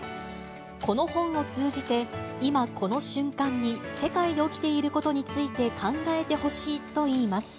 この本を通じて、今、この瞬間に世界で起きていることについて考えてほしいといいます。